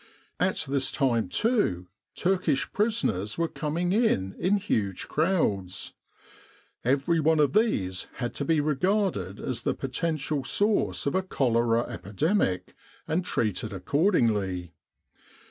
At this time, too, Turkish prisoners were coming in in huge crowds. Every one of these had to be regarded as the potential source of a cholera epidemic and treated accordingly.